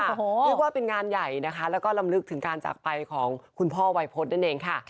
เรียกว่าเป็นงานใหญ่นะคะแล้วก็ลำลึกถึงการจากไปของคุณพ่อวัยพฤษนั่นเองค่ะ